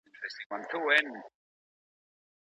ښه انسان تل انصاف کوي